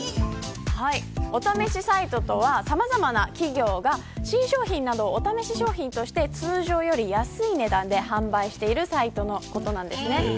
お試しサイトとはさまざまな企業が新商品などをお試し商品として通常より安い値段で販売しているサイトのことです。